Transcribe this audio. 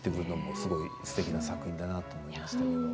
すごくすてきな作品だなと思いました。